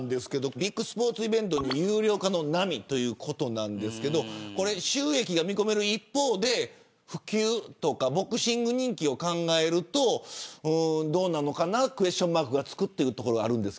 ビッグスポーツイベントに有料化の波ということですが収益が見込める一方で普及とかボクシング人気を考えるとどうなのかなって言うところがあります。